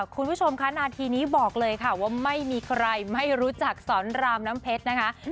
คุณผู้ชมค่ะนาทีนี้บอกเลยค่ะว่าไม่มีใครไม่รู้จักสอนรามน้ำเพชรนะคะ